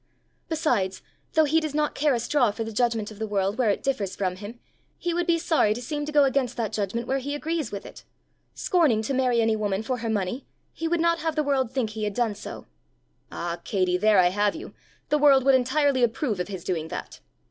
Besides, though he does not care a straw for the judgment of the world where it differs from him, he would be sorry to seem to go against that judgment where he agrees with it: scorning to marry any woman for her money, he would not have the world think he had done so." "Ah, Katey, there I have you! The world would entirely approve of his doing that!"